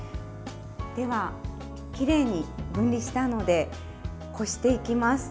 では、きれいに分離したのでこしていきます。